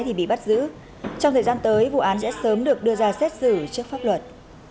thì bị bắt giữ trong thời gian tới vụ án sẽ sớm được đưa ra xét xử trước pháp luật